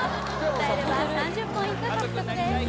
歌えれば３０ポイント獲得です・